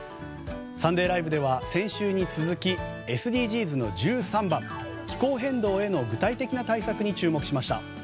「サンデーＬＩＶＥ！！」では先週に続きＳＤＧｓの１３番気候変動への具体的な対策に注目しました。